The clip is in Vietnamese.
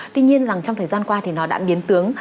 tuy nhiên rằng trong thời gian qua thì nó đã biến tướng